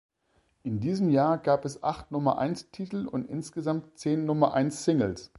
In diesem Jahr gab es acht Nummer-eins-Titel und insgesamt zehn Nummer-eins-Singles.